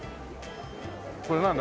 これなんだ？